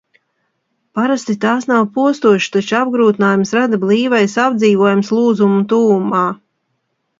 Parasti tās nav postošas, taču apgrūtinājumus rada blīvais apdzīvojums lūzuma tuvumā.